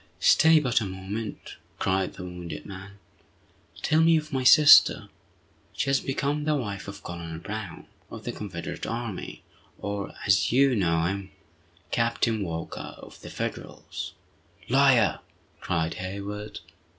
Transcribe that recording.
"Stay but a moment!" cried the wounded man. "Tell me of my sister!" "She has become the wife of Colonel Brown, of the Confederate army, or, as you know him, Captain Walker, of the Federals!" "Liar!" cried Hayward.